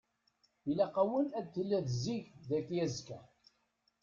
Ilaq-awen ad tiliḍ zik dagi azekka.